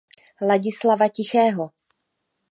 Ladislava Tichého.